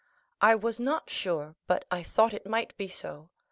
"I was not sure, but I thought it might be so.